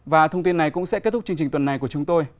và thông tin này cũng sẽ kết thúc chương trình tuần này của chúng tôi